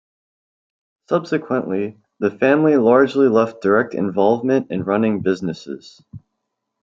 Subsequently, the family largely left direct involvement in running businesses.